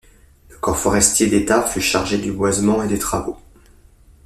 Le Corps forestier d'État fut chargé du boisement et des travaux.